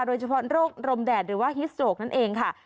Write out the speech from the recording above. โดยเฉพาะโรคลมแดดหรือว่าฮิสโตรกนั่นเองค่ะ